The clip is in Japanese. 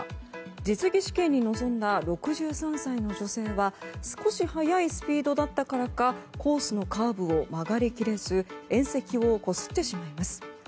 実技試験に臨んだ６３歳の女性は少し速いスピードだったからかコースのカーブを曲がり切れず縁石をこすってしまいます。